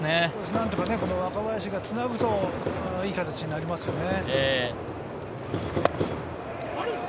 何とか若林がつなぐといい形になりますね。